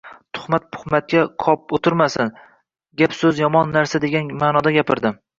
Tuhmat-puhmatga qop o`tirmasin, gap-so`z yomon narsa degan ma`noda gapirdim